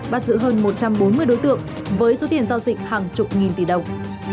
bắt giữ hơn một trăm bốn mươi đối tượng với số tiền giao dịch hàng chục nghìn tỷ đồng